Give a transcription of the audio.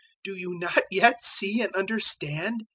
Do you not yet see and understand?